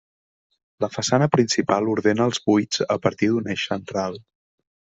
La façana principal ordena els buits a partir d’un eix central.